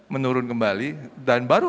menurun kembali dan baru